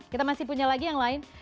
kita masih punya lagi yang lain